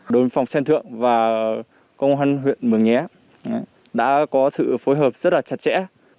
đối phòng xen thượng và công an huyện mường nhé đã có sự phối hợp rất là chặt chẽ